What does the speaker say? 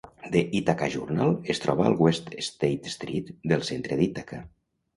"The Ithaca Journal" es troba al West State Street del centre d'Ítaca.